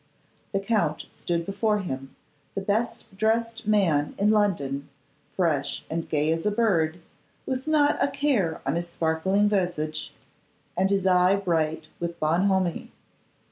The Count stood before him, the best dressed man in London, fresh and gay as a bird, with not a care on his sparkling visage, and his eye bright with bonhomie.